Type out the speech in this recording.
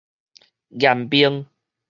嚴命